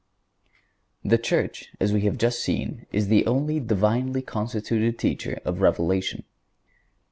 The Church, as we have just seen, is the only Divinely constituted teacher of Revelation.